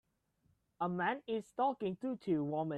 A man is talking to two women.